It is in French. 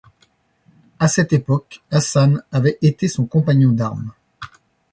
À cette époque, Hasan avait été son compagnon d'armes.